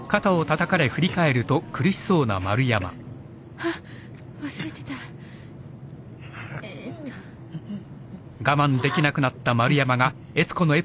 あっ忘れてたえーっとうっ。